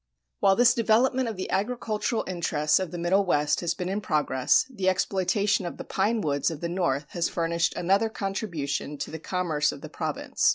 While this development of the agricultural interests of the Middle West has been in progress, the exploitation of the pine woods of the north has furnished another contribution to the commerce of the province.